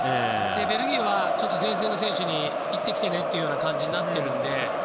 ベルギーは、前線の選手に行ってきてねという感じになっているので。